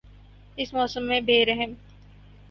اس موسم میں بے رحم